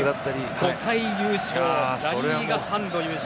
５回優勝。